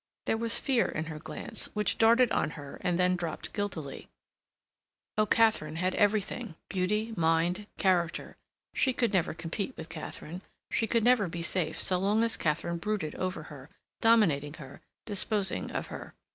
There was fear in her glance, which darted on her and then dropped guiltily. Oh, Katharine had everything—beauty, mind, character. She could never compete with Katharine; she could never be safe so long as Katharine brooded over her, dominating her, disposing of her.